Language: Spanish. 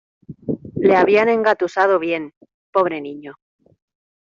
Le habían engatusado bien, pobre niño.